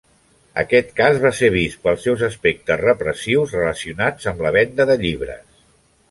Aquest cas va ser vist pels seus aspectes repressius relacionats amb la venda de llibres.